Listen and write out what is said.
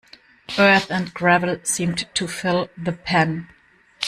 Earth and gravel seemed to fill the pan.